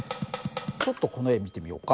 ちょっとこの絵見てみようか。